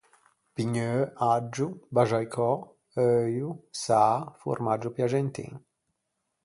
Pigneu, aggio, baxaicò, euio, sâ, formaggio piaxentin.